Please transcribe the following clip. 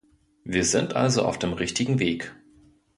Wir sind also auf dem richtigen Weg.